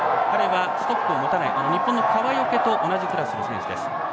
彼はストックを持たない日本の川除と同じクラスの選手です。